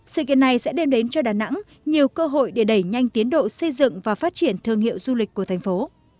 sự kiện này sẽ đem đến cho đà nẵng nhiều cơ hội để đẩy nhanh tiến độ xây dựng và phát triển thương hiệu du lịch của thành phố